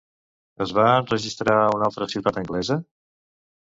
Es va enregistrar a una altra ciutat anglesa?